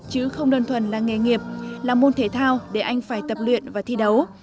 chứ không đơn thuần là nghề nghiệp là môn thể thao để anh phải tập luyện và thi đấu